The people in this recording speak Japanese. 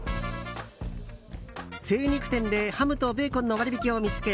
精肉店でハムとベーコンの割引を見つけ